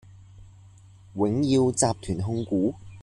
永耀集團控股